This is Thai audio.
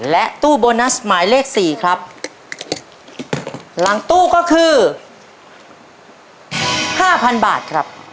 และตู้โบนัสหมายเลขสี่ครับหลังตู้ก็คือห้าพันบาทครับ